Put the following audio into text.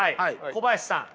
小林さん。